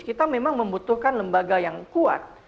kita memang membutuhkan lembaga yang kuat